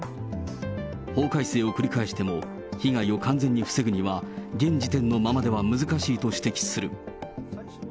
法改正を繰り返しても、被害を完全に防ぐには、現時点のままでは難しいと指摘する。